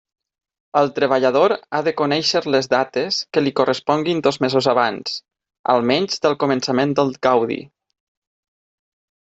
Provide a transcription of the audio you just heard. El treballador ha de conèixer les dates que li corresponguin dos mesos abans, almenys, del començament del gaudi.